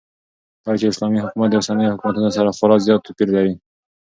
داچې اسلامي حكومت داوسنيو حكومتونو سره خورا زيات توپير لري